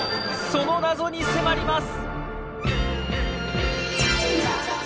その謎に迫ります！